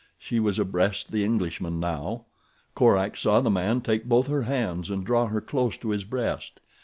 She was abreast the Englishman now. Korak saw the man take both her hands and draw her close to his breast.